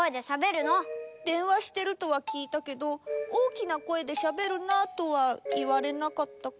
でんわしてるとはきいたけど「大きな声でしゃべるな」とはいわれなかったから。